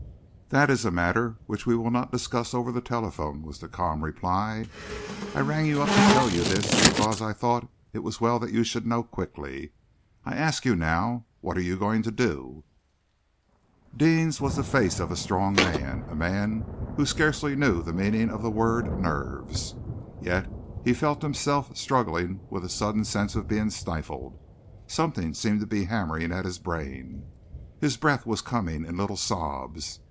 "That is a matter which we will not discuss over the telephone," was the calm reply. "I rang you up to tell you this because I thought it was well that you should know quickly. I ask you now what you are going to do." Deane's was the face of a strong man a man who scarcely knew the meaning of the word "nerves." Yet he felt himself struggling with a sudden sense of being stifled. Something seemed to be hammering at his brain. His breath was coming in little sobs.